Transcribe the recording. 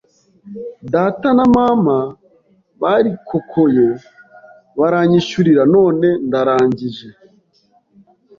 Data na Mama barikokoye baranyishyurira none ndarangije,